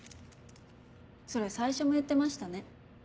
それ最初も言ってましたね。